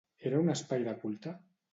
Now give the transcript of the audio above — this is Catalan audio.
Era un espai de culte?